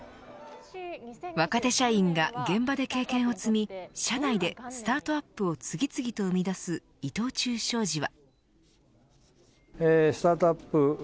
若手社員が現場で経験を積み社内でスタートアップを次々と生み出す、伊藤忠商事は。